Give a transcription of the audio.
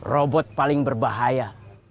robot paling berbahaya